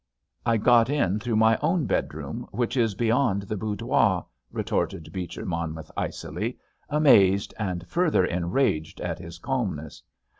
"I got in through my own bedroom which is beyond the boudoir," retorted Beecher Monmouth icily, amazed and further enraged at his calmness.